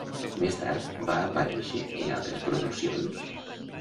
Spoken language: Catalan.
Més tard va aparèixer en altres produccions?